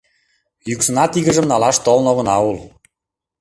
Йӱксынат игыжым налаш толын огына ул